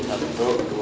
kamu ngepel nek